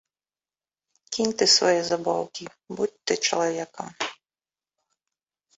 Кінь ты свае забаўкі, будзь ты чалавекам!